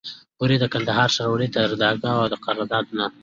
پوري د کندهار ښاروالۍ د تدارکاتو او قراردادونو